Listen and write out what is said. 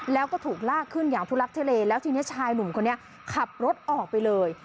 แล้วก็ถูกลากขึ้นอย่างทุลักทุเลแล้วทีนี้ชายหนุ่มคนนี้ขับรถออกไปเลย